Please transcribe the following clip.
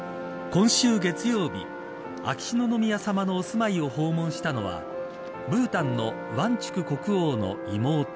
今週月曜日、秋篠宮さまのお住まいを訪問したのはブータンのワンチュク国王の妹